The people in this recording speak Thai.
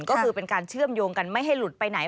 ก็คือเป็นการเชื่อมโยงกันไม่ให้หลุดไปไหน